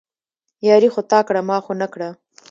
ياري خو تا کړه، ما خو نه کړه